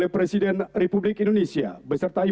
pemberian ucapan selamat